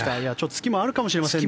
つきもあるかもしれませんね。